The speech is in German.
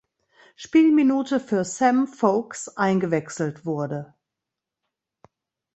Spielminute für Sam Vokes eingewechselt wurde.